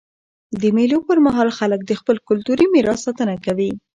د مېلو پر مهال خلک د خپل کلتوري میراث ساتنه کوي.